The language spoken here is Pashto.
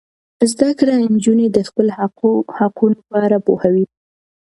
زده کړه نجونې د خپل حقونو په اړه پوهوي.